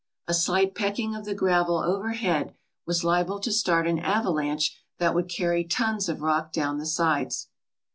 A slight pecking of the gravel over head was liable to start an avalanche that would carry tons of rock down the sides.